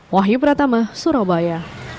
wahyu pratama surabaya